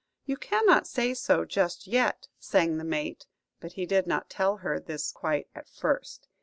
"You cannot say so just yet," sang the mate; but he did not tell her this quite at first.